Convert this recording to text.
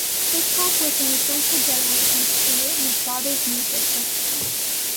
Hip-hop was an essential getaway from school and his father's music for Sam.